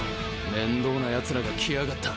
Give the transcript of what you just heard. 面倒なヤツらが来やがった。